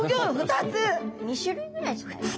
２種類ぐらいじゃないですか。